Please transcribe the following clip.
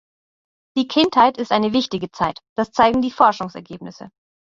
Die Kindheit ist eine wichtige Zeit, das zeigen die Forschungsergebnisse.